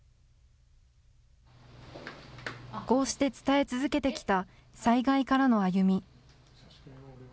こうして伝え続けてきた災害からの歩み。